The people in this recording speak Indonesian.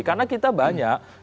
karena kita banyak